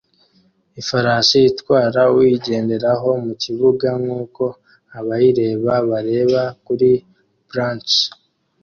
Ifarashi itwara uyigenderaho mu kibuga nkuko abayireba bareba kuri blachers